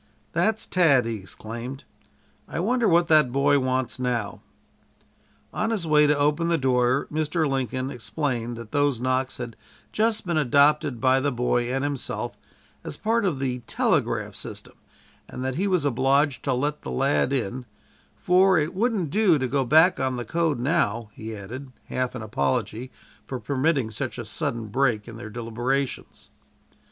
"That's Tad," he exclaimed, "I wonder what that boy wants now." On his way to open the door, Mr. Lincoln explained that those knocks had just been adopted by the boy and himself, as part of the telegraph system, and that he was obliged to let the lad in "for it wouldn't do to go back on the code now," he added, half in apology for permitting such a sudden break in their deliberations.